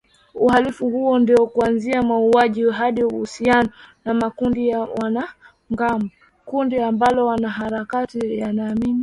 Uhalifu huo ni kuanzia mauaji hadi uhusiano na makundi ya wanamgambo, kundi ambalo wanaharakati wanaamini lilijumuisha zaidi ya darzeni tatu za wa shia